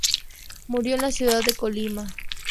Murió en la Ciudad de Colima.